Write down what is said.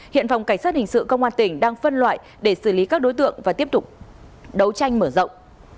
hiện phòng cảnh sát hình sự công an tỉnh đang phân loại để xử lý các đối tượng và tiếp tục đấu tranh mở rộng